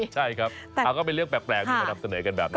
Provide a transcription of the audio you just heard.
ใช่ครับเอาก็เป็นเรื่องแปลกมาดับเสนอกันแบบนี้